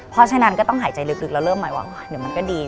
เพราะฉะนั้นก็ต้องหายใจลึกแล้วเริ่มใหม่ว่าเดี๋ยวมันก็ดี